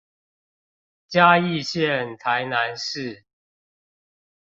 嘉義縣臺南市